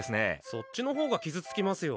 そっちのほうが傷つきますよ。